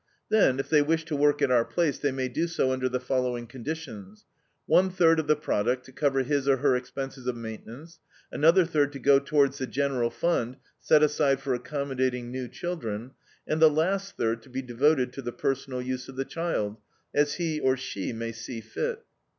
Then, if they wish to work at our place, they may do so under the following conditions: One third of the product to cover his or her expenses of maintenance, another third to go towards the general fund set aside for accommodating new children, and the last third to be devoted to the personal use of the child, as he or she may see fit.